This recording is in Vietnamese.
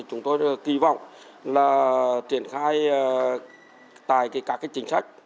chúng tôi kỳ vọng triển khai tài các chính sách